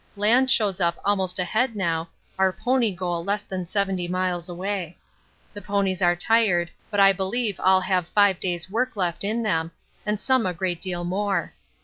Land shows up almost ahead now, our pony goal less than 70 miles away. The ponies are tired, but I believe all have five days' work left in them, and some a great deal more.